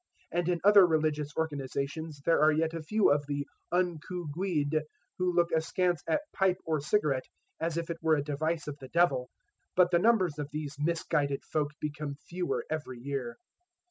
And in other religious organizations there are yet a few of the "unco' guid" who look askance at pipe or cigarette as if it were a device of the devil. But the numbers of these misguided folk become fewer every year.